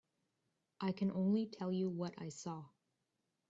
I can only tell you what I saw.